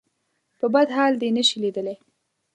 په بد حال دې نه شي ليدلی.